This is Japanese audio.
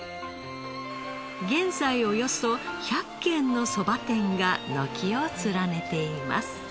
現在およそ１００軒のそば店が軒を連ねています。